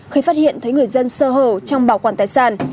khi phát hiện thấy người dân sơ hở trong bảo quản tài sản